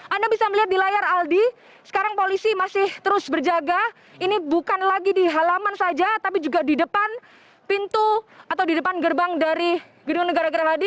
anda bisa melihat di layar aldi sekarang polisi masih terus berjaga ini bukan lagi di halaman saja tapi juga di depan pintu atau di depan gerbang dari gedung negara gerahadi